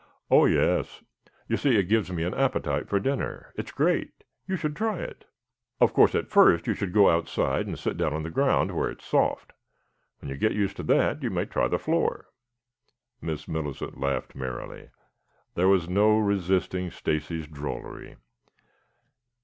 "Oh, yes. You see it gives me an appetite for dinner. It's great. You should try it. Of course at first you should go outside and sit down on the ground where it's soft. When you get used to that you may try the floor." Miss Millicent laughed merrily. There was no resisting Stacy's drollery.